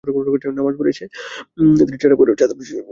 নামাজ পড়ে এসে তিনি চাটাইয়ের ওপর চাদর বিছিয়ে অবস্থান শুরু করেন।